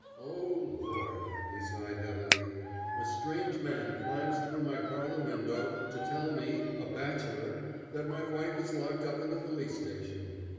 "O Lord!" he sighed heavily. "A strange man climbs through my parlor window to tell me, a bachelor, that my wife is locked up in the police station.